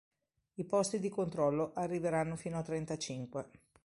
I posti di controllo arriveranno fino a trentacinque.